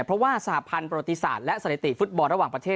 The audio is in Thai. เพราะว่าสหพันธ์ประวัติศาสตร์และสถิติฟุตบอลระหว่างประเทศ